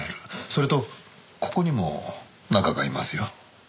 それとここにも「中」がいますよ。